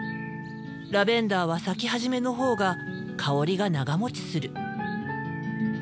ラベンダーは咲き始めのほうが香りが長もちする。